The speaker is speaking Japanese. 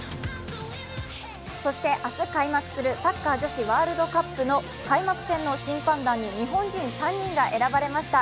そして明日開幕するサッカー女子ワールドカップの開幕戦の審判団に日本人３人が選ばれました。